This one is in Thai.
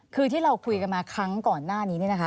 คือที่เราคุยกันมาครั้งก่อนหน้านี้เนี่ยนะคะ